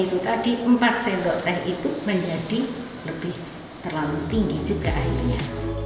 jadi tadi empat sendok teh itu menjadi lebih terlalu tinggi juga airnya